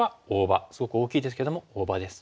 すごく大きいですけども大場です。